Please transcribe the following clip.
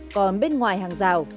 còn bên ngoài hàng rào